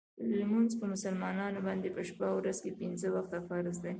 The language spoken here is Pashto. لمونځ په مسلمانانو باندې په شپه او ورځ کې پنځه وخته فرض دی .